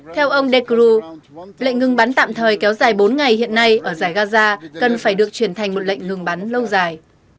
theo ông dekru lệnh ngừng bắn tạm thời kéo dài bốn ngày hiện nay ở giải gaza cần phải được chuyển thành một lệnh ngừng bắn lâu dài